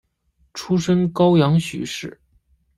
出身高阳许氏。